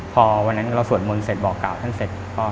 พอวันนั้นเราสวดมนต์เสร็จบอกกล่าวท่านเสร็จ